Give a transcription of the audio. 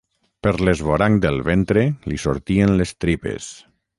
Per l'esvoranc del ventre li sortien les tripes.